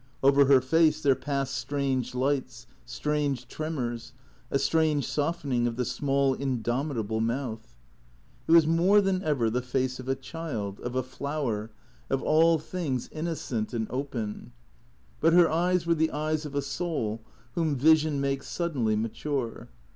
Over her face there passed strange lights, strange tremors, a strange softening of the small indomitable mouth. It was more than ever the face of a child, of a flower. THECEEATOES 191 of all things innocent and open. But her eyes were the eyes of a soul whom vision makes suddenly mature.